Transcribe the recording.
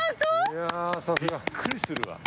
いやさすが。びっくりするわ。